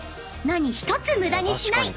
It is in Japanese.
何一つ無駄にしない］